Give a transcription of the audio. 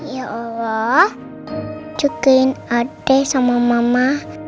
ya allah cekilin adi sama mama